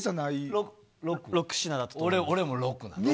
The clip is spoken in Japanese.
６？俺も６なの。